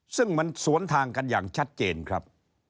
ซึ่งมันสวนทางกันอย่างชัดเจนครับ